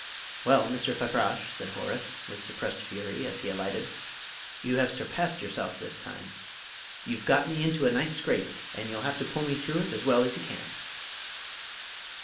"Well, Mr. Fakrash," said Horace, with suppressed fury, as he alighted, "you have surpassed yourself this time. You've got me into a nice scrape, and you'll have to pull me through it as well as you can."